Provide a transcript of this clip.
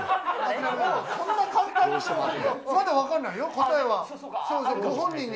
まだわかんないよ答えは。